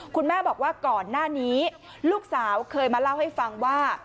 คุณแม่บอกว่าก่อนหน้านี้ลูกสาวเคยมาเล่าให้ฟังว่า